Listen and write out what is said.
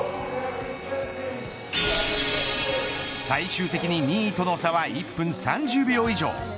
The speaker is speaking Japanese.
最終的に２位との差は１分３０秒以上。